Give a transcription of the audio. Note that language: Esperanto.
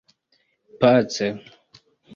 pace